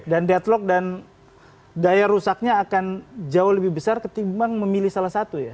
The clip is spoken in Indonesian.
dan deadlock dan daya rusaknya akan jauh lebih besar ketimbang memilih salah satu ya